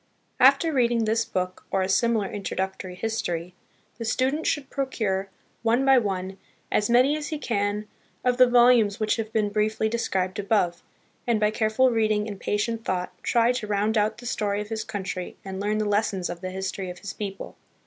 After read ing this book, or a similar introductory history, the stu dent should procure, one by one, as many as he can of the volumes which have been briefly described above, and, by careful reading and patient thought, try to round out the story of his country and learn the lessons of the history of his people.